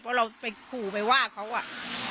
เพราะเราฆ่าไปวาดเขา